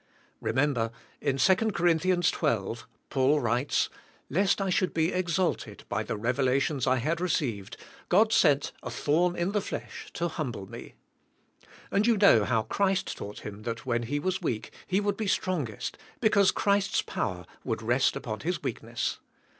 Remember, in 2 Cor. 12, Paul writes, "Lest I should be exalted by the revelations I had received, God sent a thorn in the flesh to humble me," and you know how Christ taught him that when he was weak he would be strongest, because Christ's power would rest upon his weakness.